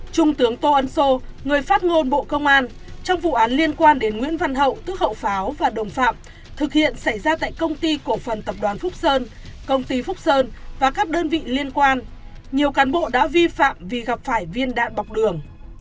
trung tướng tô ân sô người phát ngôn bộ công an trong vụ án liên quan đến nguyễn văn hậu tức hậu pháo và đồng phạm thực hiện xảy ra tại công ty cổ phần tập đoàn phúc sơn công ty phúc sơn và các đơn vị liên quan nhiều cán bộ đã vi phạm vì gặp phải viên đạn bọc đường